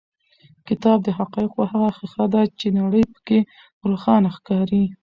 کتاب د حقایقو هغه ښیښه ده چې نړۍ په کې روښانه ښکاري.